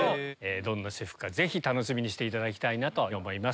どんな私服か楽しみにしていただきたいと思います。